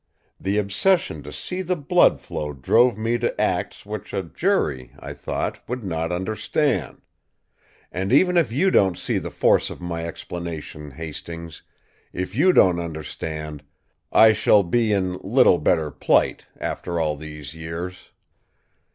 The obsession to see the blood flow drove me to acts which a jury, I thought, would not understand. And, if you don't see the force of my explanation, Hastings, if you don't understand, I shall be in little better plight after all these years!"